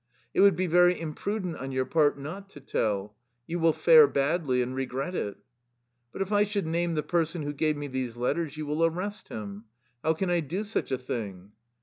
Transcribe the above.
" It would be very imprudent on your part not to tell. You will fare badly, and regret it." " But if I should name the person who gave me these letters you will arrest him. How can I do such a thing?